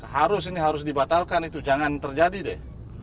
harus ini harus dibatalkan itu jangan terjadi deh